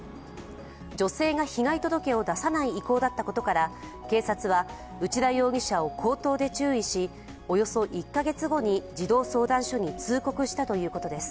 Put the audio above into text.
女性が被害届を出さない意向だったことから警察は内田容疑者を口頭で注意しおよそ１カ月後に児童相談所に通告したということです。